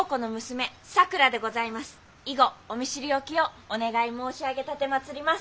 以後お見知り置きをお願い申し上げ奉ります。